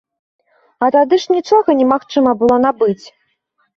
А тады ж нічога не магчыма было набыць.